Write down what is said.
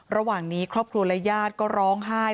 ระหว่างนี้ครอบครัวและญาติก็ร้องไห้